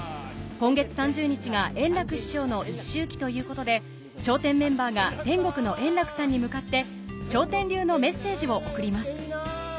今月３０日が円楽師匠の一周忌ということで笑点メンバーが天国の円楽さんに向かって笑点流のメッセージを送ります